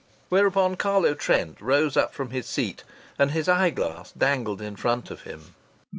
Whereupon Carlo Trent rose up from his seat, and his eyeglasses dangled in front of him.